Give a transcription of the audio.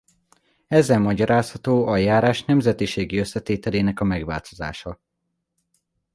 Ezzel magyarázható a járás nemzetiségi összetételének a megváltozása.